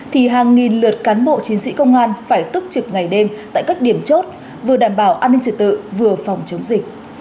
thì hàng nghìn lượt cán bộ chiến sĩ công an phải túc trực ngày đêm tại các điểm chốt vừa đảm bảo an ninh trật tự vừa phòng chống dịch